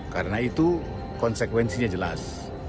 karena itu konsekuensinya jelas